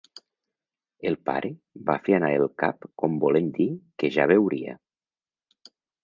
El pare va fer anar el cap com volent dir que ja veuria.